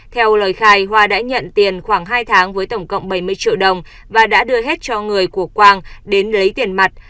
theo lời khai hoa đã nhận tiền khoảng hai tháng với tổng cộng bảy mươi triệu đồng và đã đưa hết cho người của quang đến lấy tiền mặt